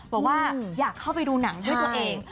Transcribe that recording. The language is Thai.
บอกว่าอยากเข้าไปดูหนังด้วยตัวเอง